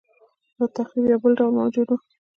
خو د تخریب یو بل ډول موجود و